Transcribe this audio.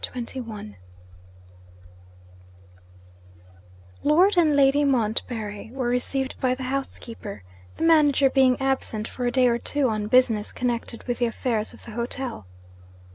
CHAPTER XXI Lord and Lady Montbarry were received by the housekeeper; the manager being absent for a day or two on business connected with the affairs of the hotel.